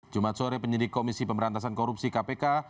jumat sore penyidik komisi pemberantasan korupsi kpk